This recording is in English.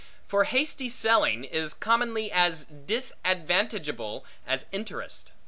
For hasty selling, is commonly as disadvantageable as interest.